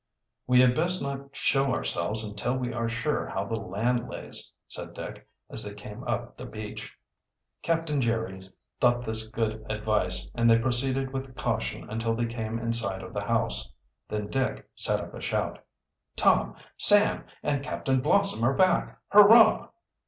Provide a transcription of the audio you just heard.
"We had best not show ourselves until we are sure how the land lays," said Dick, as they came up the beach. Captain Jerry thought this good advice and they proceeded with caution until they came in sight of the house. Then Dick set up a shout. "Tom, Sam, and Captain Blossom are back! Hurrah!"